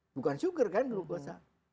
bukan sugar kan glukosa